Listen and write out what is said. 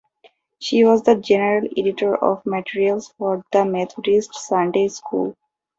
She was the general editor of materials for the Methodist Sunday School.